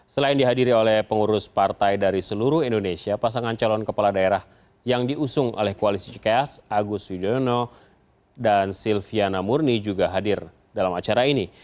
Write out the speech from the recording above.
selain dihadiri oleh pengurus partai dari seluruh indonesia pasangan calon kepala daerah yang diusung oleh koalisi cikeas agus yudhoyono dan silviana murni juga hadir dalam acara ini